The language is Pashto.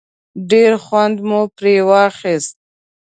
ډېر خوند مو پرې واخیست.